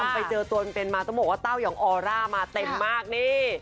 ไปเจอตัวเป็นมาต้องบอกว่าเต้ายองออร่ามาเต็มมากนี่